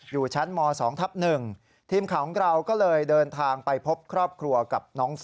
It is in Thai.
อยู่ชั้นม๒ทับ๑ทีมข่าวของเราก็เลยเดินทางไปพบครอบครัวกับน้อง